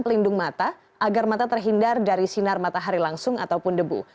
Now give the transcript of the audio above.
pelindung mata agar mata terhindar dari sinar matahari langsung ataupun debu